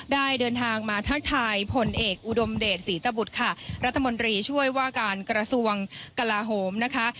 ได้เดินทางมาทักทายผลเอกอุดมเดชศรีตบุตรค่ะรัฐมนตรีช่วยว่าการกระทรวงกลาโหมนะคะ